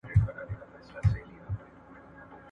مؤثره میتودونه د خفګان مخه نیسي.